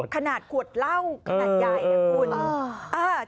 ขนาดขวดเล่าขนาดใหญ่คุณ